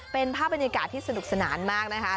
เป็นภาพบรรยากาศที่สนุกสนานมากนะคะ